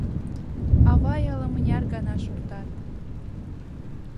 Авай ала-мыняр гана шортат.